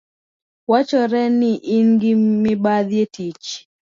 Wachore ni ingi mibadhi etich